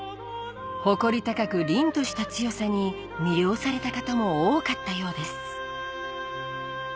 誇り高く凛とした強さに魅了された方も多かったようです